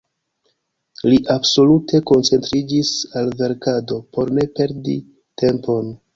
Li absolute koncentriĝis al verkado por ne perdi tempon.